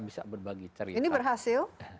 bisa berbagi cerita ini berhasil